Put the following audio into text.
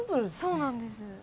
そうなんです。